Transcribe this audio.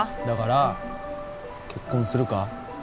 だから結婚するか？